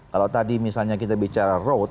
kalau tadi misalnya kita bicara road